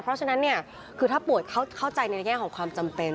เพราะฉะนั้นเนี่ยคือถ้าป่วยเข้าใจในแง่ของความจำเป็น